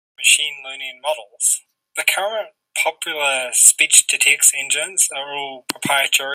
Dos películas se han hecho sobre Yun.